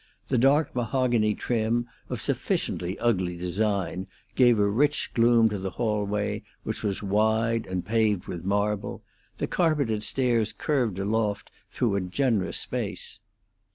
The dark mahogany trim, of sufficiently ugly design, gave a rich gloom to the hallway, which was wide and paved with marble; the carpeted stairs curved aloft through a generous space.